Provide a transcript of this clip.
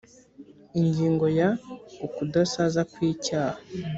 ingingo ya ukudasaza kw icyaha